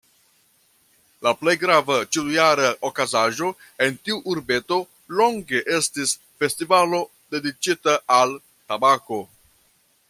La plej grava, ĉiujara okazaĵo en tiu urbeto longe estis festivalo dediĉita al tabako.